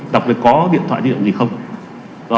đặc biệt có điện thoại điện gì không